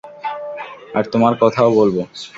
আর তোমার কথাও বলব।